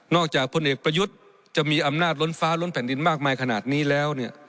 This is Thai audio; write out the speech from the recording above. จากพลเอกประยุทธ์จะมีอำนาจล้นฟ้าล้นแผ่นดินมากมายขนาดนี้แล้ว